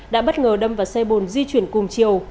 đã bất ngờ đâm vào xe bồn di chuyển cùng chiều